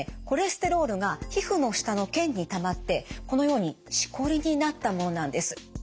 コレステロールが皮膚の下の腱にたまってこのようにしこりになったものなんです。